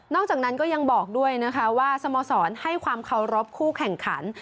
จากนั้นก็ยังบอกด้วยนะคะว่าสโมสรให้ความเคารพคู่แข่งขัน